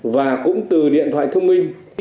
và cũng từ điện thoại thông minh